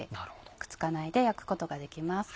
くっつかないで焼くことができます。